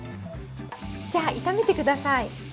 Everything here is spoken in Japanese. じゃあ炒めて下さい。